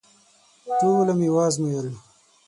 ټوله مي وازمایل …